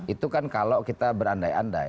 itu kan kalau kita berandai andai